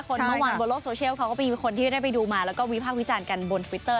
เมื่อวานบนโลกโซเชียลเขาก็มีคนที่ได้ไปดูมาแล้วก็วิพากษ์วิจารณ์กันบนทวิตเตอร์